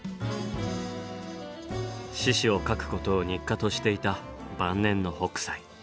獅子を描くことを日課としていた晩年の北斎。